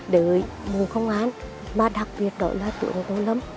đối với bộ công an mà đặc biệt đó là tưởng tồn lắm